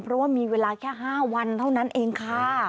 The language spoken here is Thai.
เพราะว่ามีเวลาแค่๕วันเท่านั้นเองค่ะ